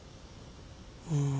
うん。